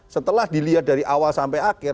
setelah dilihat dari awal sampai akhir